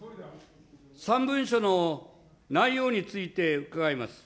３文書の内容について伺います。